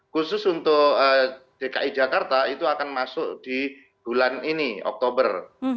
khusus untuk dki jakarta itu akan masuk di bulan ini oktober